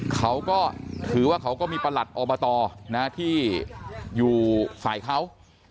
เขาก็ถือว่าเขาก็มีประหลัดอบตที่อยู่ฝ่ายเขา